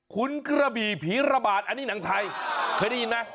คุณกระบี่ผีระบาดอันนี้หนังไทยเคยได้ยินไหม